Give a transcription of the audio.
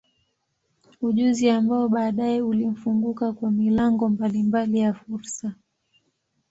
Ujuzi ambao baadaye ulimfunguka kwa milango mbalimbali ya fursa.